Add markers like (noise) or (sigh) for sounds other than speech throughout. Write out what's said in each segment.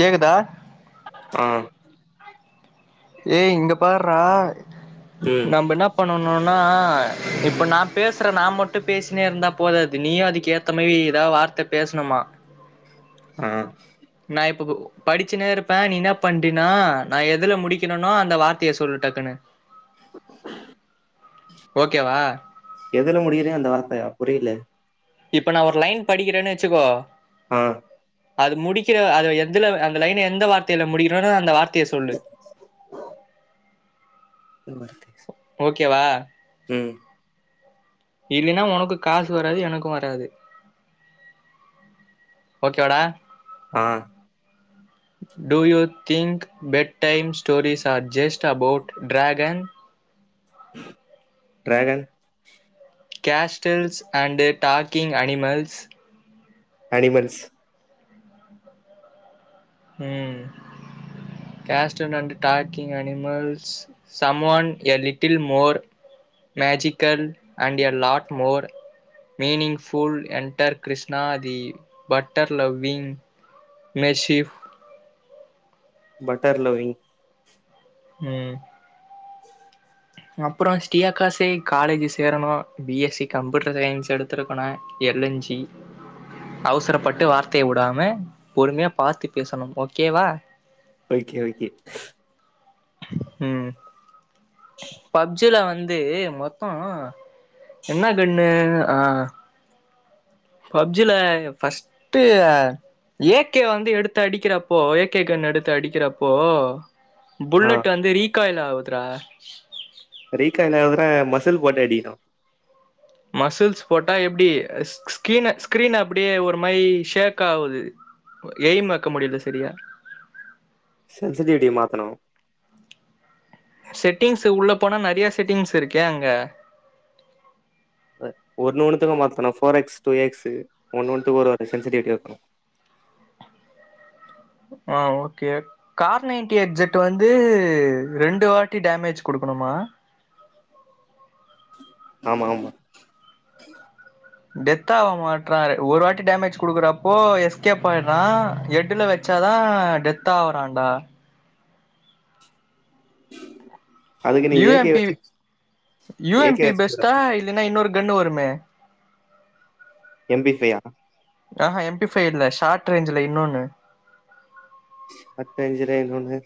கேக்குதா ஆ ஏ இங்க பாருறா ம் நம்ம என்ன பண்னணு ன்ன நா இப்ப நா பேசுறே நா மட்டு பேசினே இருந்தா போதாது நீயு அதுக்கு ஏத்த மாரி ஏதாவ வார்த்த பேசணுமா ஆ நா இப்போ கு படிச்சுனே இருப்பே நீ ன்ன பண்றினா நா எதுல முடிக் கனுனோ அந்த வார்த்தையை சொல் டக்குன்னு ஓகேவா எதுல முடியுதே அந்த வார்த்த புரியல இப்ப நா ஒரு லைன் படிக்கறேன்னு வச்சுக்கோ ஆ அது முடிக்கிற அது எதுல அந்த லைன்னுஎந்த வார்த்தையல முடிக்கணுன்நோ அந்த வார்த்தையே சொல்லு (inaudible) ஓகேவா இல்லைன்னா ஓனக்கு காசு வராது எனக்கு வராது ஓகேவாடா ஆ do you think bed time stories are just about dragon dragon castles and talking animals animals hmm கேஸ்டன் and talking animals some one a little more magical and a lot more meaningful enter Krishna the butter loving mischief butter loving ம் அப்புற ஸ்ரீயகாசே college சேரணு BSc computer science எடுத்துருக்கநோ எல்என்ஜி அவுசரப்பட்டு வார்த்தையை வுடாம பொறுமையா பார்த்து பேசணு ஓகேவா ஓகே ஓகே ம் பப்ஜில வந் து மொத்த என்ன கன்னு ஆ பப்ஜில ஃபஸ்ட்டு ஏகே வந்து எடுத்து அடிக்கிறப்போ ஏகே கன்னு எடுத்து அடிக்கிறப்போ ஆ புல்லெட் வந்து ரீகாயில் (unintelligible) ரீக்காய்ன விட மசுல் போட்டு அடிக்கணு மசுல்ஸ் போட்டா எப்டி ஸ் ஸ்கிரீன்னு ஸ்கிரீன்னு அப்டியே ஒரு மாரி ஷேக் ஆவுது எய்ம் வக்க முடியல சரியா சேரி செசடி எப்டி மாத்தனோ செட்டிங்ஸ் உள்ள போனா நெறைய செட்டிங்ஸ் இருக்கே அங்க ஒண்ணு ஒண்ணுத்துக்க மாத்தணு ஃபோர் எக்ஸ் டூ எக்ஸ் ஒண்ணு ஒண்ணுத்துக்க ஒரு சென்சுரிட்ட வைக்கணு ஆ ஓகே கார் நைன்டி எக்ஸ்ஜெட் வந்து ரெண்டு வாட்டி டேமேஜ் குடுக்கணுமா ஆமா ஆம டெத்த ஆக மாட்டறான் ஒரு வாட்டி டேமேஜ் குடுக்குறப்போ எஸ்கேப் ஆய்றா எட்டுல வச்சாதா டெத்த ஆறான்டா அதுக்கு நீ இவ ஏ கே எப்டி வச்சு இவ ஏ கே எப்டி வச்சு பெஸ்டா இல்லைனா இன்னொரு கன்னு வருமே எம்பிப்ஃயா ஆஹா எம்பிஃபைவ்ல ஷார்ட் ரேஞ்ச்ல இன்னொன்னு அத்த அஞ்சிரனன்னு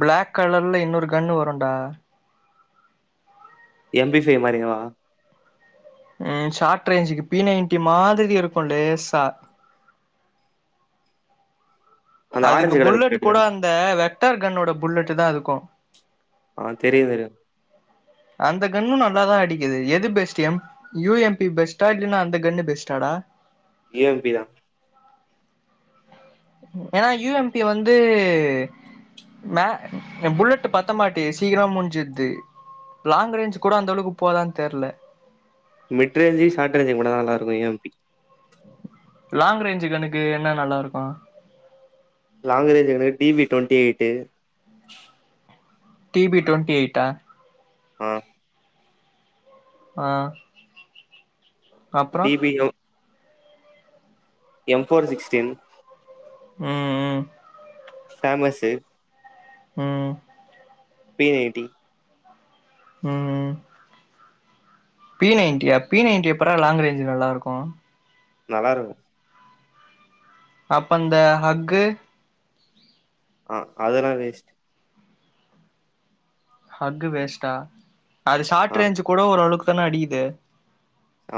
ப்ளாக் கலர்ல இன்னொரு கன்னு வருடா எம்பி ஃபைவ் மாறிவா ம் ஷார்ட் ரேஞ்சுக்கு பிநைன்டி மாதிரி இருக்கு லேசா அந்த அதுக்கு ஆரஞ்சு கலர் பிளேட் புல்லட்க்கூட கன் அந்த வெ கிட்டார் கன்னோட புல்லட்டு் தா அதுக்கும் ஆ தெரிது அந்த கன்னு நல்லாதா அடிக்குது எது பெஸ்ட் எம் யுஎம்பி பெஸ்ட்டா இல்லன்னா அந்த கன்னு பெஸ்ட்டாடா யுஎம்பி தா ஏனா யுஎம்பி வந்து மே புல்லட்டு பத்தமாட்டி சீக்கிரமா முடிஞ்சுருது லாங் ரேஞ்ச் கூட அந்த அளவுக் போதான்னு தெர்ல மெட்ரல்ஜி ஷார்ட்ரேஜி கூட நல்லாரூக்கும் எம்பி லாங் ரேஞ்சு கன்னு க்கு என்ன நல்லா இருக்கு லாங் ரேன்ஜ் கன்னுக்கு டிவி டொன் டேட்டு டிவி ட்வெண்ட்டி எயிட்டா ஆ ஆ அப்பற DP M M four sixteen ம் ம் ஃபேமஸ்சு ம் பிஐடி ம் ம் பி நைன்ட்டியா பி நைன்டி எப்புறா லாங் ரேஞ்ச் நல்லா இருக்கும் நல்லா இருக்கும் அப்ப அந்த அ அ ஃகு அ அதெல்லா வேஸ்ட் அஃகு வேஸ்ட்டா அது ஷார்ட் ஆ ரேஞ்ச் கூட ஓரளவுக் இப்பான அடிக்குது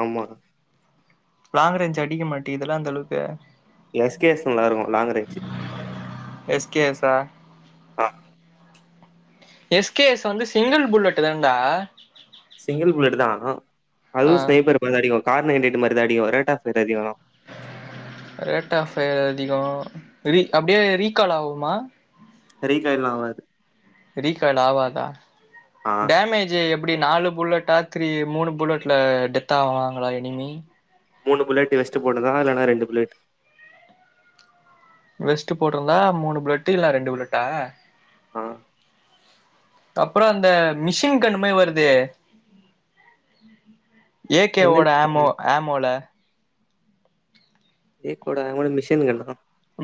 ஆமா லாங் ரேஞ்சு அடிக்க மாட்டேதெல்லா அந்த அளவுக்கு எஸ்கேஎஸ் நல்லா இருக்கு லாங் ரேஞ்சு எஸ்கேஃப்ச ஆ எஸ் கே எஸ் வந்து சிங்கிள் புல்லட்டுதான்ட சிங்கிள் புல்லட்டு தா ஆ அதுவு ஸ்னைப்பர் (unintelligible) கார் நைன்ட்டி எட்டு மாரிதா அடிகு ரேட்டாஃபெர் அதிகோ ரேட்டாஃபே அதிகொ ரி அப்டியே ரீகால் ஆவுமா ரீகால்லா ஆவாது ரீ கால் ஆவாத ஆ டேமேஜி எப் ப்புடி நாலு புல்லட்டா த்ரீ மூணு புல்லட்ல டெத்தாவாங்களா எனிமி மூணு புல்லெட்டு வச்ட்டு போனதா இல்லனா ரெண்டு புல்லெட் வெஸ்ட்டு போட்ருந்தா மூணு புலட்டு இல்லனா ரெண்டு புல்லட்டா ஆ அப்ற அந்த மிஷின் கன்னு மாரி வருதே ஏ கே எந்த ஓட ஆமோ ஆமோல ஏக் ஓட ஆமனு மிஷின் கன்னா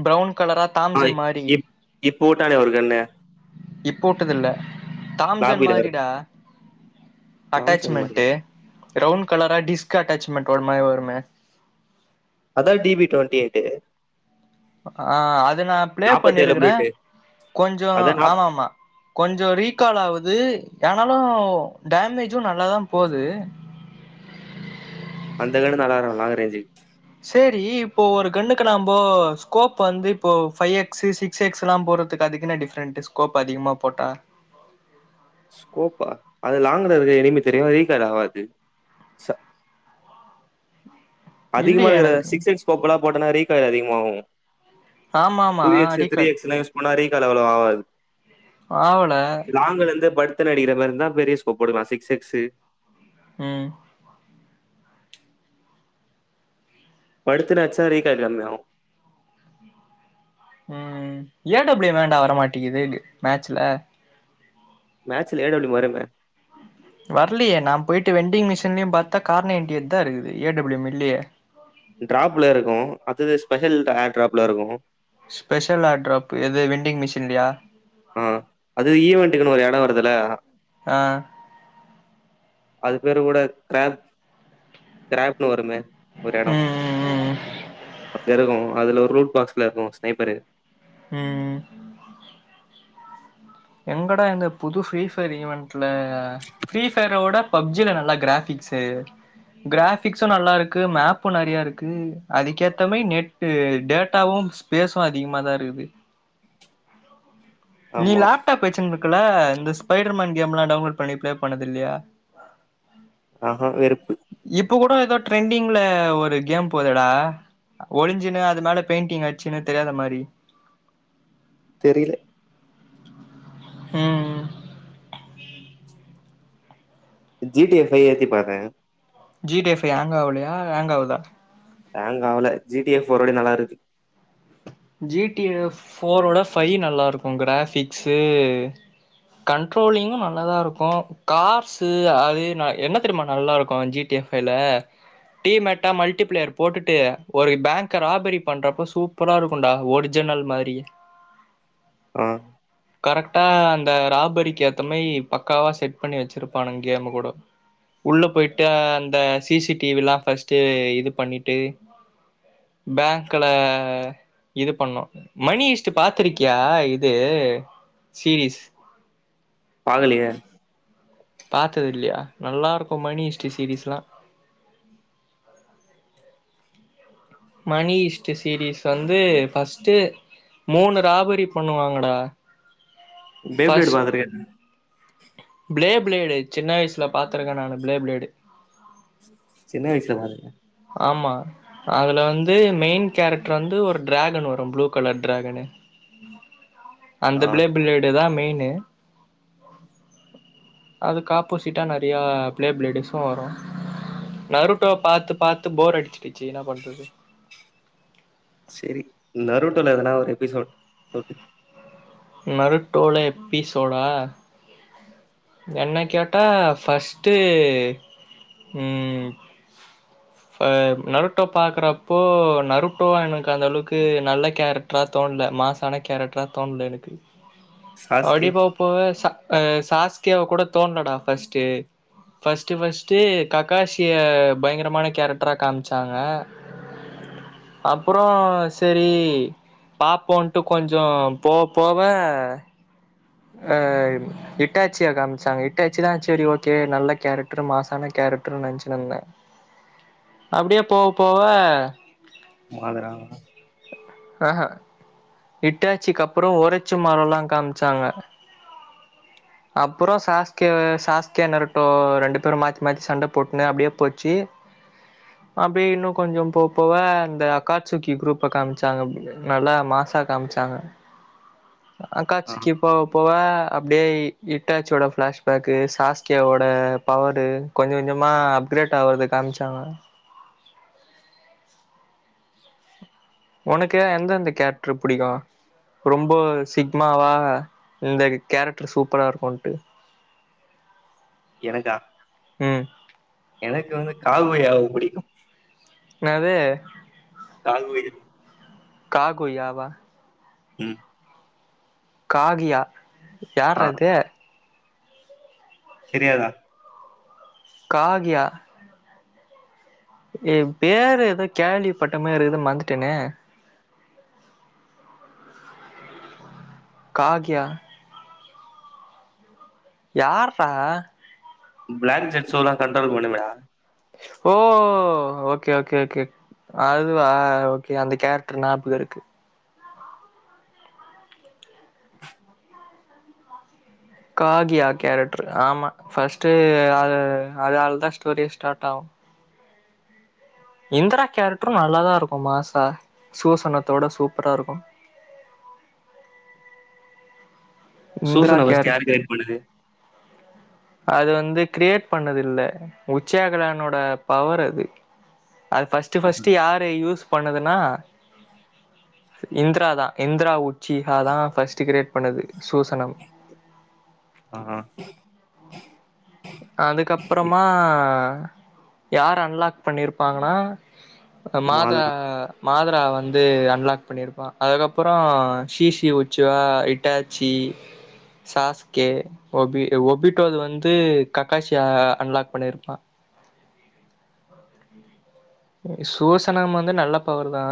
ப்ரவுன் கலரா தாம்சன் மாரி இப்ப வுட்டானே ஒரு கன்னு இப்பவுட்டதுல்ல தாம்சன் லாபில வரு மாரிடா தாம்சன் மாரியா அட்டாச்சுமென்ட்டு ப்ரவுன் கலரா டிஸ் க் அட்டாச்மெண்ட் ஒரு மாரி வருமே அதா டி பி ட்வெண்ட்டி எய்ட்டு் ஆ அது நா ப்ளே நாப்பத்தேழு பண்ணிருக்குறே புல்லட்டு கொஞ்சொ அதா நாப் ஆமாமா கொஞ்சொ ரீகால் ஆவுது யானாலு டேமேஜு நல்லாதா போது அந்த கன்னு நல்லாருகு லாங்குரேஜு சேரி இப்போ ஒரு கன்னுக்கு நாம்போ ஸ்கோப் வந்து இப்போ ஃபை எக்ஸு சிக்ஸ் எக்ஸ்லா போறதுக்கு அதுகென்னா டிஃப்ரெண்ட்டு ஸ்கோப் அதிகமா போட்டா ஸ்கோப்பா அது லாங்ல இருக்க எனிமி தெரியு ரீகால் ஆவாது ச அதிகமா இல்லியே எடுக்குர எனக்கு சிக்ஸ் எக்ஸ் போப்பலா போட்டனா ரீ கால் அதிகமா ஆவு ஆமா ஆமா டூ எக்ஸு த்ரீ ரீகால் எக்ஸுலா யூஸ் பண்ணா ரீ கால் அவ்ளொ ஆவாது ஆவல த்துட்டு அடிக்கிற மாருந்தா பெரிய ஸ்கோப் போடுக்லா சிக்ஸ் எக்ஸு ம் படுத்துனு அச்சா ரீகாட் கம்மியாவு ம் ம் ஏ டபுளெம் வேண்டா வரமாட்டிக்குது மேச்சுல மேட்சுல ஏ டபுளெம் வருமே வர்லியே நா போய்ட்டு வெண்டிங் மிஷின்லியு பாத்தா கார் நைட்டியெட் தா இருக்குது ஏ டபிள்யும் இல்லியே டிராப்ல இருக்கு அதது ஸ்பெ ஷல் ஏர் ட்ராப்ல இருக்கு ஸ்பெஷல் ஏர் டராப்பு எது விண்டிங் மிஷின்லயா ஆ அது ஈவென்ட்டுகுனு ஒரு எடொ வருதுல ஆ அது பேரு கூட க்ராப் க்ராப்னு வருமே ஒரு எடொ ம் ம் ம் அப்டியருகு அதுல ஒரு ரூட் பாக்ஸ்ல இருக்கு ஸ்நைப்பரு உம்ம் எங்கட இங்க புது ஃப்ரீஃபயர் ஈவென்ட்ல ஃப்ரீஃபயரோட பப்ஜில நல்லா கிராபிக்ஸ்சு கிராபிக்ஸு நல்லாருக்கு மேப்பு நெறயாருக்கு அதுக்கேத்தமாதி நெட்டு டேட்டாவு ஸ்பேஸு அதிகமாதா இருக்குது நீ ஆமா லேப்டாப் வச்சு க்குலா இந்த ஸ்பைடர்மேன் கேம்லா டவுன்லோட் பண்ணி பிளே பண்ணது இல்லியா ஆஹா வெறுப்பு இப்ப கூட ஏதோ ட்ரெண்டிங்ல ஒரு கேம் போதேடா ஒழிஞ்சுனு அது மேல பெயிண்டிங் அடுச்சுனு தெரியாத மாரி தெரியலே ம்ம் ஜி டி ஏ ஃபை ஏத்தி பாரே G T A five hang ஆவுலயா ஹேங் ஆவுதா ஹேங் ஆகல ஜி டி எஃப் ஒரு அளவுக்கு நல்லா இருக்கு ஜி டி எஃப் ஃபோர் ஓட ஃபைவ் நல்லா இருக்கு கிராபிக்ஸு கண்ட்ரோலிங்கு நல்லதா இருக்கு கார்ஷூ அது என்ன தெரியுமா நல்லா இருக்கு ஜி டி எஃபைல டிமேட்டா மல்டிபிளேயர் போட்டுட்டு ஒரு பேங்க ராபரி பண்றப்ப சூப்பரா இருக்கு இருக்குண்டா ஒரிஜினல் மாரி ஆ கரெக்டா அந்த ராபரிக்கு ஏத்த மாரி பக்காவா செட் பண்ணி வச்சிருப்பானுங்க கேமு கூட உள்ள போயிட்டு அந்த சி சி டிவி எல்லா ஃபஸ்ட் இது பண்ணிட்டு பேங்க்ல இது பண்ணோ மணி ஹிச்ரி பாத்துருக்கியா இது சீரிஸ் பாகலையே பாத்தது இல்லையா நல்லா இருக்கு மணி ஹிச்ரி சீரீஸ்லா மணி ஹிஸ்ரி சீரீஸ் வந்து ஃபஸ்ட்டு மூணு ராபரி பண்ணுவாங்கடா பேபியோட ஃபர்ஸ்ட் பாக்குரியா என்ன பிளே பிளேடு சின்ன வயசுல பாத்துருக்கே நானு பிளே பிளேடு சின்ன வயசுல பாத்ருக்யா ஆமா அதுல வந்து மெயின் கேரக்டர் வந்து ஒரு ட்ராகன் வரு ப்ளூ கலர் ட்ராகனு அந்த ஆ பிளே பிளேடு தா மெயின் அதுக்ஆப்போசிட்டா நெறய பிளே பிளேடு வர்ஷோ வரு வர்த பாத்து பாத்து பாத்து போர் அடிச்சுடுச்சு என்னா பண்றது செரி நறுட்டல எதனா ஒரு எபிசோட் சொல் நருட்டோனே எப்பி சோடா என்ன கேட்டா ஃபஸ்ட்டு உம் நருட்டோ பாக்குறப்போ நருட்டோ எனக்கு அந்த அளவுக்கு நல்ல கேரக்ரா தோணல மாசான கேரக்ரா தோணல எனக்கு ரி (inaudible) சாஸ்கே அடிபப்ப (inaudible) சாஸ்க்கியாவ கூட தோணலடா ஃபஸ்ட்டு ஃபஸ்ட்டு ஃபஸ்ட்டு ககாஷிய பயங்கரமான கேரக்ரா காம்ச்சாங்க அப்றோ சேரி பாப்போம்ன்ட்டு கொஞ்சோ போ போவே அ இட்டாச்சியா காம்ச்சாங்க இட்டாச்சினா சேரி ஓகே நல்ல கேரக்ரு மாசான கேரக்ரு நெனச்சுனு இருந்தே அப்டியே போக போக மாதுர ஆஹ இட்டாச்சிக்கப்றோ ஒரச்சு மரல்லா காம்ச்சாங்க அப்றோ சாஸ்கிய சாஸ்கிய நரட்டோ ரெண்டு பேரு மாத்தி மாத்தி சண்ட போட்டுன்னு அப்டியே போச்சு அப்டியே இன்னு கொஞ்சோ போக போக இந்த அக்காச்சுக்கி குரூப்ப காம்ச்சாங்க நல்லா மாசா காம்ச்சாங்க ஆ ஆக்காசுக்கி இப்போ போவ அப்டியே இட்டாச்சியோட ஃபிளாஷ்பேக்கு சாஸ்கியாவோட பவரு கொஞ்ச கொஞ்சமா அப்கிரேட் ஆகுறத காம்ச்சாங்க ஒனக்கு எந்த எந்த கேரக்ட்ரு புடிக்கு ரொம்ப சிக்மாவா இந்த கேரக்டர் சூப்பரா இருக்குன்ட்டு எனக்கா ம் எனக்கு வந்து கால்வையாவு பிடிக்கு என்னது கால்வைது கா கொயாவா ம் காகியா ஆ யார்ரா அது தெரியாதா காகியா ஏ வேற ஏதோ கேள்விப்பட்ட மாரி இருக்குது எது மறந்துட்டனே காகியா யார்ரா பிளாக் ஜெட் சோலா (unintelligible) ஓ ஓகே ஓகே ஓகே அதுவா ஓகே அந்த கேரக்டர் ஞாபகோ இருக்கு காகியா கேரக்டரு ஆமா ஃபஸ்ட்டு அது அதாலதா ஸ்டோரி ஸ்டார்ட் ஆகு இந்தரா கேரக்டரு நல்லாதா இருக்கும் மாசா சூசனத்தோட சூப்பரா இருக்கும் இந்திரா சூசன அவஸ்தை கேரக்ட் யாருக்கு கைட் பண்ணுது அது வந்து கிரியேட் பண்ணது இல்ல உச்சாகலானோட பவர் அது அது ஃபஸ்ட்டு ஃபஸ்ட்டு யாரு யூஸ் பண்ணதுன்னா இந்தராதா இந்தரா ஊட் ஜுஹாதா ஃபஸ்ட்டு கிரேட் பண்ணது சூசனம் ஆ அதுக்கப்புறமா யார் அன்லாக் பண்ணிருப்பாங்கனா மாத மாதரா மாதரா வந்து அன்லாக் பண்ணியிருப்பா அதுக்கப்புறோ சீசி உச்சுவா இட்டாச்சி சாஸ்கே ஒபி ஒபிட்டோது வந்து கக்காஷியா அன்லாக் பண்ணிருப்பா சோசனம் வந்து நல்ல பவருதா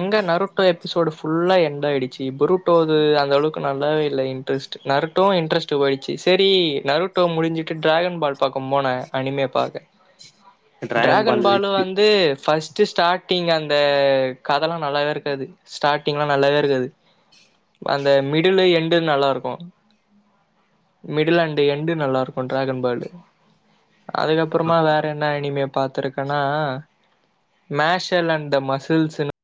அங்க நரட்டோ எபிசோடு ஃபுல்லா எண்டு ஆயிடுச்சு புருட்டோது அந்த அளவுக்கு நல்லாவே இல்லை இன்ட்ரெஸ்ட் நரட்டோ இன்ட்ரெஸ்ட் போயிடுச்சு சேரி நரட்டோ முடிஞ்சுட்டு டிராகன் பால் பாக்க போன அனிமே பாக்க டிராகன் பால் பாலு வேஸ்ட்டு வந்து ஃபஸ் ஸ்டு ஸ்டார்ட்டிங் அந்த கதலா நல்லாவே இருக்காது ஸ்டார்ட்டிங்லா நல்லாவே இருக்காது அந்த மிடிலு எண்டு நல்லா இருக்கு மிடிலாண்டு எண்டு நல்லா இருக்கு டிராகன் பர்டு ஆ அதுக்கப்புறமா வேற என்ன இனிமே பாத்துருக்கன்னா மேஷல் அண்டு தே மசுல்ஸ்னு